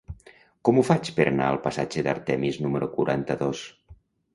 Com ho faig per anar al passatge d'Artemis número quaranta-dos?